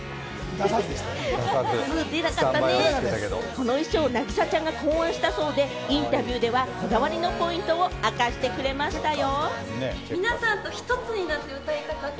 この衣装、凪咲ちゃんが考案したそうで、インタビューではこだわりのポイントを明かしてくれましたよ。